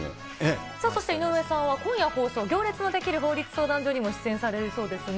さあ、そして井上さんは今夜放送、行列のできる法律相談所にも出演されるそうですね。